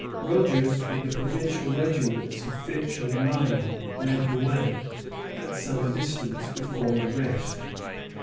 Rogers, with the provincial regiments of Fitch and Lyman, led the way, at some distance before the rest.